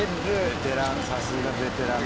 ベテランさすがベテラン。